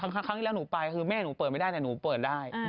ครั้งที่แล้วหนูไปคือแม่หนูเปิดไม่ได้แต่หนูเปิดได้